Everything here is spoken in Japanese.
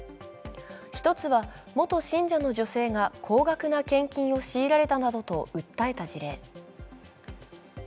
１つは、元信者の女性が高額な献金を強いられたなどと訴えた事例。